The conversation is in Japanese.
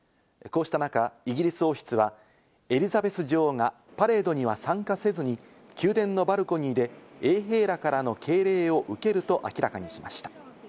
こうした中、イギリス王室はエリザベス女王がパレードには参加せずに、宮殿のバルコニーで衛兵らからの敬礼を受けると明らかにしました。